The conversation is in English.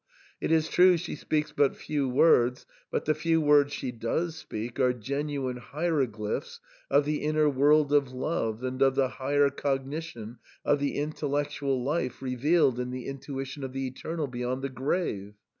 'It is true, she speaks but few words ; but the few words she does speak are genuine hieroglyphs of the inner world of Love and of the higher cognition of the intellectual life revealed in the intuition of the Eternal beyond the grave.